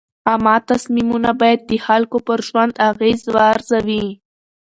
عامه تصمیمونه باید د خلکو پر ژوند اغېز وارزوي.